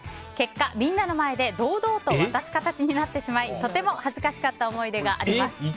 結果みんなの前で堂々と渡す形となってしまいとても恥ずかしかった思い出があります。